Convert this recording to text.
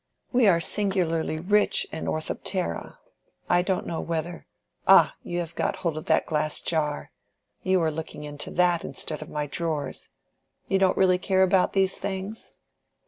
We are singularly rich in orthoptera: I don't know whether—Ah! you have got hold of that glass jar—you are looking into that instead of my drawers. You don't really care about these things?"